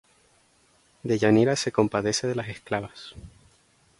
Deyanira se compadece de las esclavas.